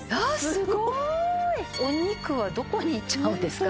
っお肉はどこにいっちゃうんですか？